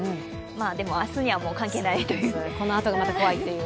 でも、明日にはもう関係ないというこのあとがまた怖いという。